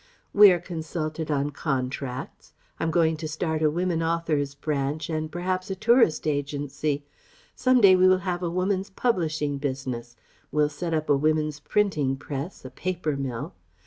We are consulted on contracts ... I'm going to start a women authors' branch, and perhaps a tourist agency. Some day we will have a women's publishing business, we'll set up a women's printing press, a paper mill....